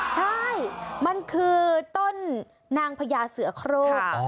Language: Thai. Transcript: ใช่มันคือต้นนางพญาเสือโครง